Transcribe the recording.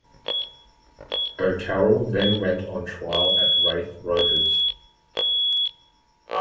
O'Carroll then went on trial at Raith Rovers.